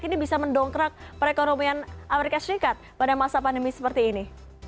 ini bisa mendongkrak perekonomian amerika serikat pada masa pandemi seperti ini